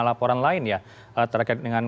laporan lain ya terkait dengan